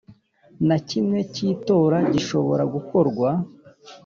Na kimwe cy’itora gishobora gukorwa.